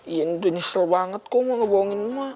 ia udah nyesel banget kok mau ngebohongin ma